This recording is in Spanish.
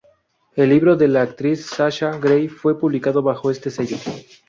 El libro de la actriz Sasha Grey fue publicado bajo este sello.